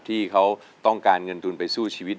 ที่เขาต้องการเงินทุนไปสู้ชีวิต